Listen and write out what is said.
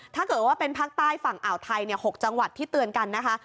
ถ้าเกิดว่าเป็นภาคใต้ฝั่งอ่าวไทย๖จังหวัดที่เตือนกันนะคะ